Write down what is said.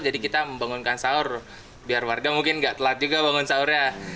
jadi kita membangunkan sahur biar warga mungkin gak telat juga bangun sahurnya